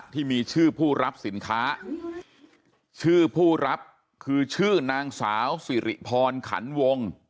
ที่มีชื่อผู้รับสินค้าชื่อผู้รับคือชื่อนางสาวสิริพรขันวง